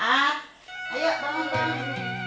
masa depan yang cemerlang